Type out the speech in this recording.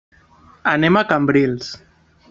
Anem a Cambrils.